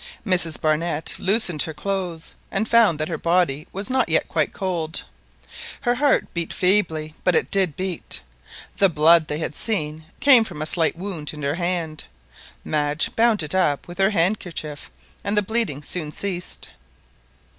Mrs Barnett loosened her clothes, and found that her body was not yet quite cold. Her heart beat very feebly, but it did beat. The blood they had seen came from a slight wound in her hand; Madge bound it up with her handkerchief, and the bleeding soon ceased.